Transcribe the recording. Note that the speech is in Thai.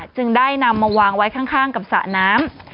จึงได้นำมาวางไว้ข้างกับสระน้ำ